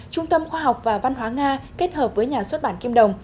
trung tâm khoa học và văn hóa nga kết hợp với nhà xuất bản kim đồng